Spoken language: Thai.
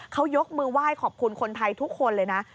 เขายกมือไหว้ขอบคุณคนไทยทุกคนเลยนะ